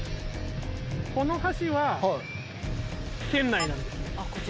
この橋は圏内なんです。